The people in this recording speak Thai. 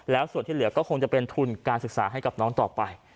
แล้วส่วนที่เหลือก็คงจะเป็นทุนการศึกษาให้กับน้องต่อไป